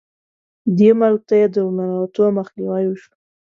دې ملک ته یې د ورننوتو مخنیوی وشو.